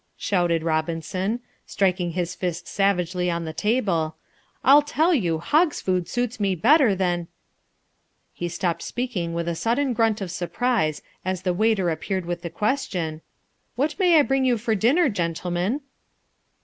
shouted Robinson, striking his fist savagely on the table, "I tell you hog's food suits me better than " He stopped speaking with a sudden grunt of surprise as the waiter appeared with the question: "What may I bring you for dinner, gentlemen?"